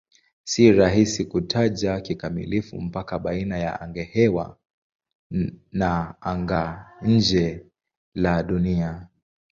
Si rahisi kutaja kikamilifu mpaka baina ya angahewa na anga-nje la Dunia.